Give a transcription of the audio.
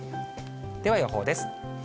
では、予報です。